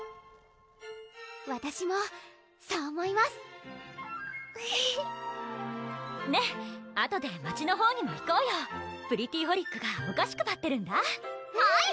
わたしもそう思いますねぇあとで街のほうにも行こうよＰｒｅｔｔｙＨｏｌｉｃがお菓子配ってるんだうん！